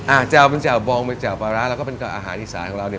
จะเอาเป็นแจ่วบองเป็นแจ่วปลาร้าแล้วก็เป็นอาหารอีสานของเราเนี่ย